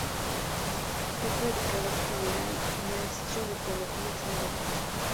Fue predicador general y maestro de teología sagrada.